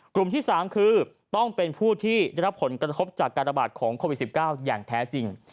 กลุ่มที่๓คือต้องเป็นผู้ที่ได้รับผลกระทบจากการระบาดของโควิด๑๙อย่างแท้จริง